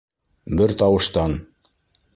— Бер тауыштан!